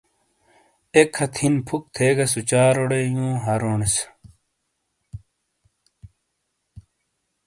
ایک ہتھ ہن فک تھے گہ سوچاروڑے یوں ہرونس۔